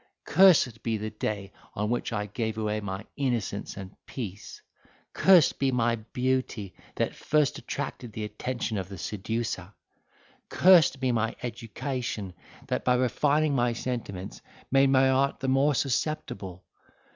Cursed be the day on which I gave away my innocence and peace! Cursed be my beauty that first attracted the attention of the seducer! Cursed be my education, that, by refining my sentiments, made my heart the more susceptible!